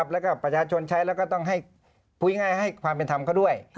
แล้วก็ประชาชนใช้แล้วก็ต้องให้พูดง่ายให้ความเป็นธรรมเขาด้วย